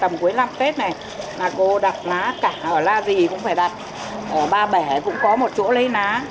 tầm cuối năm tết này là cô đặt lá cả ở la dì cũng phải đặt ở ba bẻ cũng có một chỗ lấy lá